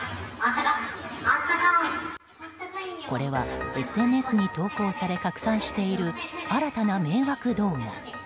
これはＳＮＳに投稿され拡散している新たな迷惑動画。